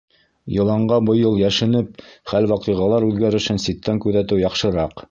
Йыланға быйыл йәшенеп, хәл-ваҡиғалар үҙгәрешен ситтән күҙәтеү яҡшыраҡ.